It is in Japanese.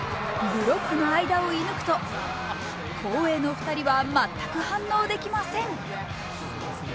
ブロックの間を射ぬくと後衛の２人は全く反応できません。